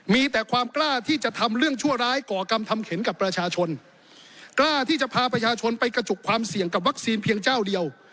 มีแต่ความกล้าที่จะทำเรื่องชั่วร้ายก่อกรรมทำเข็นกับประชาชนกล้าที่จะพาประชาชนไปกระจุกความเสี่ยงกับวัคซีนเพียงเจ้าเดียว